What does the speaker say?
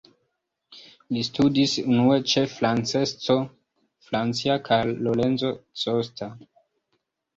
Li studis unue ĉe Francesco Francia kaj Lorenzo Costa.